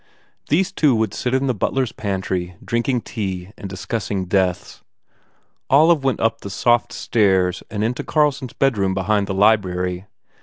These two would sit in the butler s pantry drinking tea and discussing deaths. Olive went up the soft stairs and into Carlson s bedroom be hind the library.